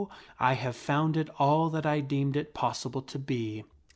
I have found it all that I deemed it possible to be.